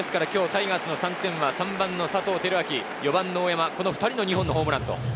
タイガースの３点は３番の佐藤輝明、４番の大山、この２人の２本のホームランと。